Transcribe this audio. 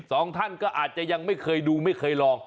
สองท่านก็อาจจะยังไม่เคยดูไม่เคยลอง